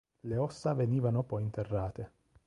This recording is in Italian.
Le ossa venivano poi interrate.